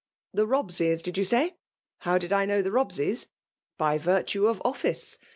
The Bobseys> did yoa say? how did I know the Bobseys? — ^By virtue of office.